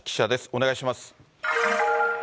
お願いします。